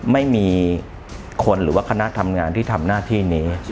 ไม่มีคนหรือว่าคณะทำงานที่ทำหน้าที่นี้